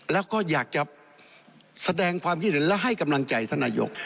แล้วก็อยากจะแสดงความคิดเห็นและให้กำลังใจท่านนายก